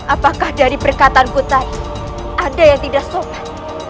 apakah dari perkataanku tadi ada yang tidak sopan